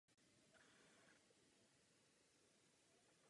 Byl jejím právním poradcem.